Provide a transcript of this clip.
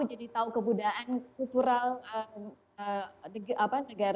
jadi tahu kebudayaan kultural negara negara